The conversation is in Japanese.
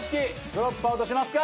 ドロップアウトしますか？